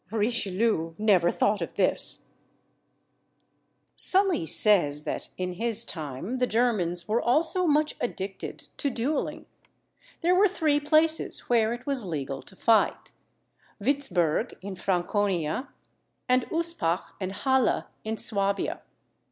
Richelieu never thought of this. Mercure de France, vol. xiii. Sully says, that in his time the Germans were also much addicted to duelling. There were three places where it was legal to fight; Witzburg in Franconia, and Uspach and Halle in Swabia.